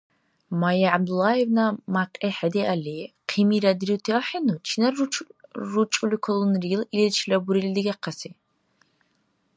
Майя ГӀябдуллаевна, мякьи хӀедиалли, хъимира дирути ахӀенну, чинар ручӀули калунрил, иличилара бурили дигахъаси.